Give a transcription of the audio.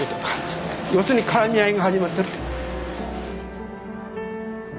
要するにからみ合いが始まった。